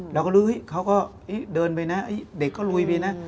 เราก็รู้เฮ้ยเขาก็เดินไปนะเด็กก็ลุยไปนะ